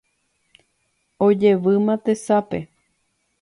Ojevýma tesape